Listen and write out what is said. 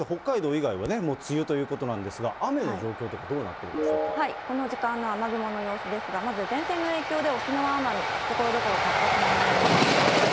以外は、もう梅雨ということなんですが、雨の状況とかどうなっているんでしょうこの時間の雨雲の様子ですが、まず前線の影響で沖縄・奄美、ところどころ活発な雨雲がありますね。